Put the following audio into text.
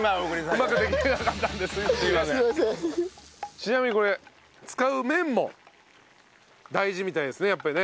ちなみにこれ使う麺も大事みたいですねやっぱりね。